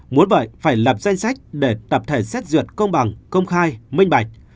muốn vậy phải lập danh sách để tập thể xét duyệt công bằng công khai minh bạch